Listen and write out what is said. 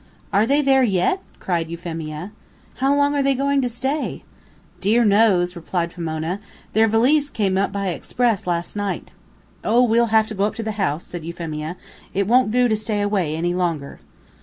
"Are they there yet?" cried Euphemia. "How long are they going to stay?" "Dear knows!" replied Pomona. "Their valise came up by express last night." "Oh, we'll have to go up to the house," said Euphemia. "It won't do to stay away any longer."